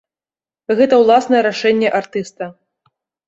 Гэта ўласнае рашэнне артыста.